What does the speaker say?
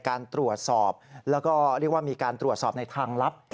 แล้วเรียกว่ามีการตรวจสอบในทางลับ